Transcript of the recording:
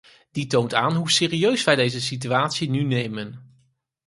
Die toont aan hoe serieus wij deze situatie nu nemen.